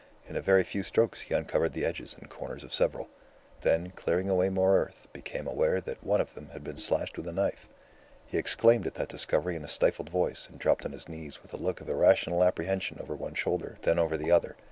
In a very few strokes he uncovered the edges and corners of several; then, clearing away more earth, became aware that one of them had been slashed with a knife. He exclaimed at that discovery in a stifled voice, and dropped on his knees with a look of irrational apprehension over one shoulder, then over the other.